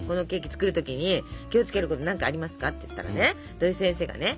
作る時に気をつけること何かありますか？」って言ったらね土井先生がね